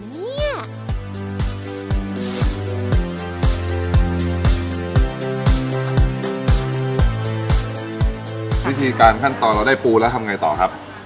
วิธีการขั้นตอนเราได้ปูแล้วทำไงต่อครับ